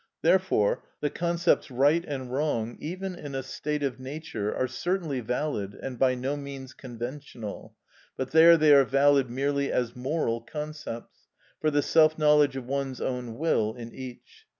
Therefore the concepts right and wrong, even in a state of nature, are certainly valid and by no means conventional, but there they are valid merely as moral concepts, for the self knowledge of one's own will in each.